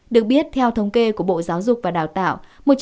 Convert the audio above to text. được biết theo thống kê của bộ giáo dục và đào tạo